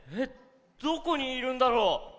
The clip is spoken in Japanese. どこにいるんだろう。